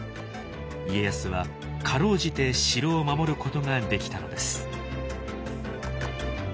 家康は辛うじて城を守ることができたのです。